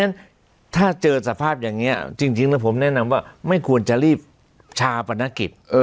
ฉะถ้าเจอสภาพอย่างนี้จริงแล้วผมแนะนำว่าไม่ควรจะรีบชาปนกิจ